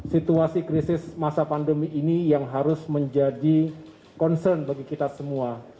situasi krisis masa pandemi ini yang harus menjadi concern bagi kita semua